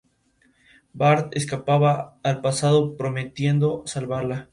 Morgan fue la primera mujer en ganar un Premio Pulitzer en esa categoría.